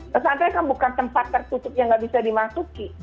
pesantren kan bukan tempat tertutup yang nggak bisa dimasuki